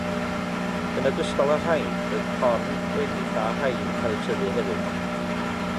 Yn ogystal â'r rhain, roedd corn, gwenith a haidd yn cael eu tyfu hefyd.